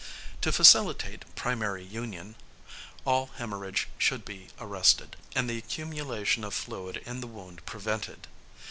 To facilitate primary union, all hæmorrhage should be arrested, and the accumulation of fluid in the wound prevented.